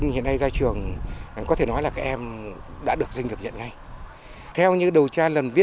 hay tại huế